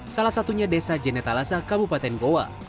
salah satunya desa jenetalasa kabupaten goa